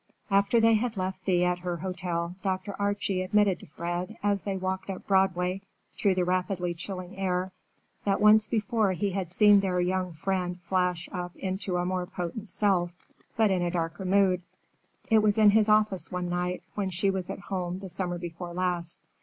After they had left Thea at her hotel, Dr. Archie admitted to Fred, as they walked up Broadway through the rapidly chilling air, that once before he had seen their young friend flash up into a more potent self, but in a darker mood. It was in his office one night, when she was at home the summer before last.